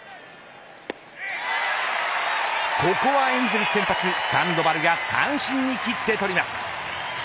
ここはエンゼルス先発サンドバルが三振に切って取ります。